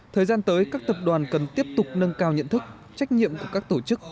thời gian tới các tập đoàn cần tiếp tục nâng cao nhận thức trách nhiệm của các tổ chức